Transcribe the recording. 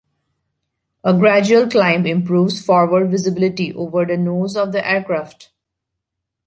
A gradual climb improves forward visibility over the nose of the aircraft.